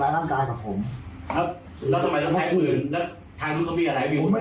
ร้ายร่างกายกับผมแล้วทำไมแล้วถ้ารู้เขามีอะไรผมไม่